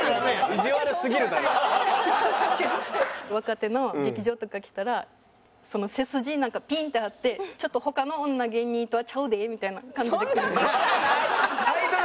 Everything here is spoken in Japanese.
若手の劇場とか来たら背筋なんかピンって張ってちょっと他の女芸人とはちゃうでみたいな感じで来る。